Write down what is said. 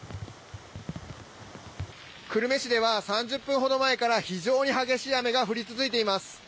久留米市では３０分ほど前から非常に激しい雨が降り続いています。